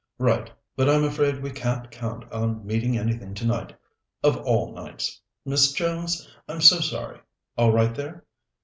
"Right; but I'm afraid we can't count on meeting anything tonight, of all nights. Miss Jones, I'm so sorry. All right there?"